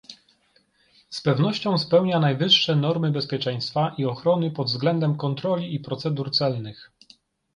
Z pewnością spełnia najwyższe normy bezpieczeństwa i ochrony pod względem kontroli i procedur celnych